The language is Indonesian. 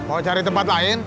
mau cari tempat lain